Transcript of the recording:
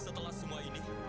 setelah semua ini